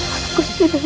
aku sudah berhenti